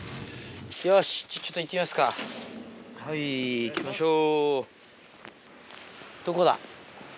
よしちょっと行ってみますかはい行きましょう。